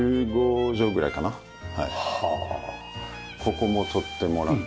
ここも取ってもらった。